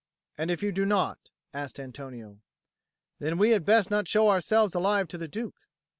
"And if you do not?" asked Antonio. "Then we had best not show ourselves alive to the Duke."